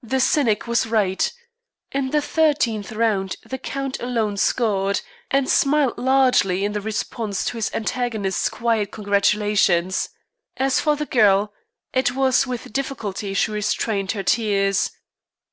The cynic was right. In the thirteenth round the count alone scored, and smiled largely in response to his antagonist's quiet congratulations. As for the girl, it was with difficulty she restrained her tears.